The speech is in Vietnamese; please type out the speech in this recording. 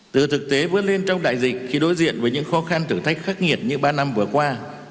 từ thực tế vướt lên trong đại dịch khi đối diện với những khó khăn thử thách khắc nghiệt như ba năm vừa qua